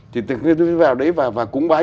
thì vào đấy và cúng bái